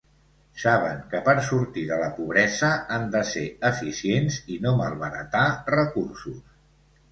Saben que per sortir de la pobresa han de ser eficients i no malbaratar recursos.